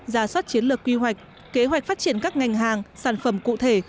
giả soát chiến lược quy hoạch kế hoạch phát triển các ngành hàng sản phẩm cụ thể